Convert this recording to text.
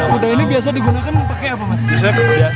kuda ini biasa digunakan pakai apa mas